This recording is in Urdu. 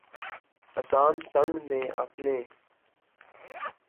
اسام سنگ نے اپنے